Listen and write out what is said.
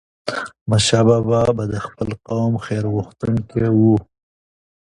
احمدشاه بابا به د خپل قوم خیرغوښتونکی و.